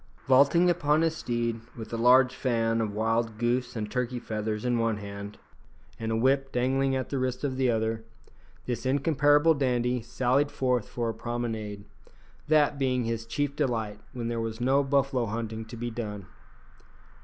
Vaulting upon his steed, with a large fan of wild goose and turkey feathers in one hand, and a whip dangling at the wrist of the other, this incomparable dandy sallied forth for a promenade that being his chief delight when there was no buffalo hunting to be done.